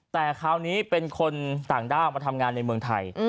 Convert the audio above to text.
แต่คราวนี้เป็นคนต่างด้าวมาทำงานในเมืองไทย